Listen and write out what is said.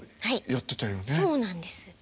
そうなんです。